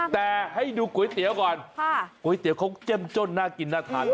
แต่ให้ดูก๋วยเตี๋ยวก่อนก๋วยเตี๋ยวเขาเจ้มจ้นน่ากินน่าทานมาก